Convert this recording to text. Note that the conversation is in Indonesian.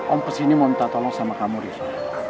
om kesini mau minta tolong sama kamu riva